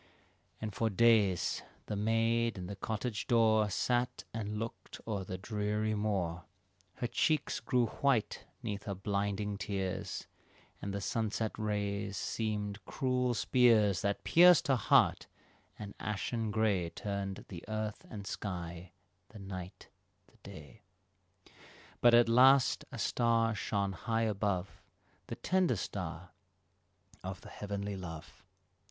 And for days the maid in the cottage door Sat and looked o'er the dreary moor, Her cheeks grew white 'neath her blinding tears, And the sunset rays seemed cruel spears That pierced her heart; and ashen gray Turned the earth and sky, the night, the day; But at last a star shone high above The tender star of the heavenly love.